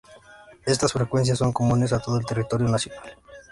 Estas frecuencias son comunes a todo el territorio nacional.